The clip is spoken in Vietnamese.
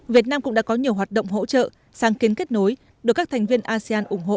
việt nam cũng đã có nhiều hoạt động hỗ trợ sáng kiến kết nối được các thành viên asean ủng hộ